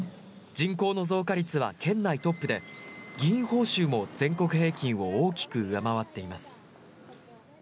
人口の増加率は県内トップで議員報酬も全国平均を大きく上回っています。